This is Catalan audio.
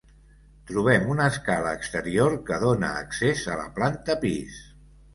Trobem una escala exterior que dóna accés a la planta pis.